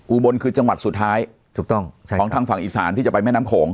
อุบลคือจังหวัดสุดท้ายถูกต้องใช่ของทางฝั่งอีสานที่จะไปแม่น้ำโขง